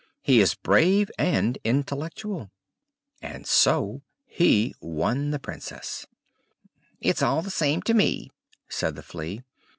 He is brave and intellectual." And so he won the Princess. "It's all the same to me," said the Flea.